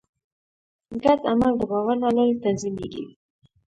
ګډ عمل د باور له لارې تنظیمېږي.